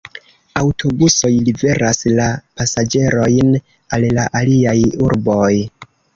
Aŭtobusoj liveras la pasaĝerojn al la aliaj urboj.